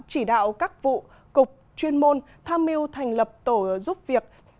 chỉ đạo các vụ cục chuyên môn tham mưu thành lập tổ giúp việc